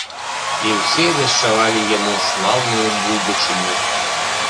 І ўсе вешчавалі яму слаўную будучыню.